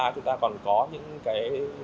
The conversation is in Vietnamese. chúng ta còn có những cái